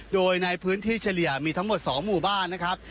โดยในพื้นที่เฉลี่ยมีทั้งหมด๒หมู่บ้านนะครับ